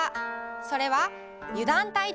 それは「油断大敵」。